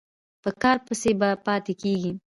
په کار پسې به پاتې کېږې.